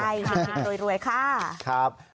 ใช่ค่ะรวยค่ะ